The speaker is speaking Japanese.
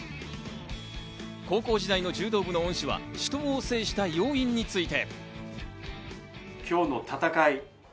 高校時代の柔道部の恩師は死闘を制した要因について。